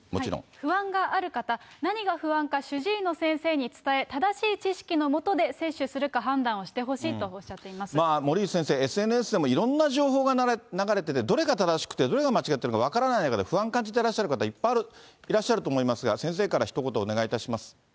不安がある方、何が不安か、主治医の先生に伝え、正しい知識のもとで接種するか判断をしてほしいとおっしゃってい森内先生、ＳＮＳでもいろんな情報が流れてて、どれが正しくて、どれが間違ってるか分からない中で不安を感じている方、いっぱいいらっしゃると思いますが、先生からひと言お願いいたします。